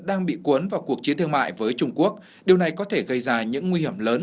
đang bị cuốn vào cuộc chiến thương mại với trung quốc điều này có thể gây ra những nguy hiểm lớn